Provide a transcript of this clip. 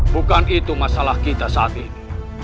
bukan itu masalah kita saat ini